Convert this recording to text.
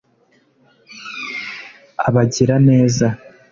abagira neza